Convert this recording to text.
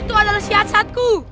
itu adalah siasatku